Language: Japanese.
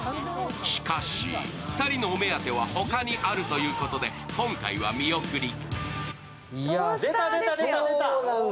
しかし、２人のお目当ては他にあるということで今回は見送り。